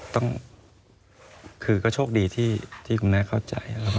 ต้องคือก็โชคดีที่คุณแม่เข้าใจครับ